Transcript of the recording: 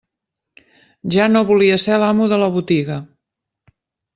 Ja no volia ser l'amo de la botiga.